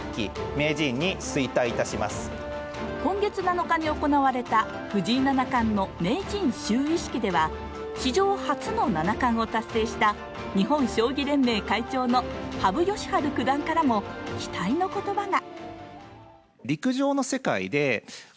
今月７日に行われた藤井七冠の名人就位式では史上初の七冠を達成した日本将棋連盟会長の羽生善治九段からも期待の言葉が。